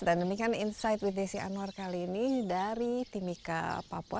dan demikian insight with desi anwar kali ini dari timika papua